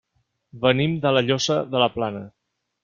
Venim de La Llosa de la Plana.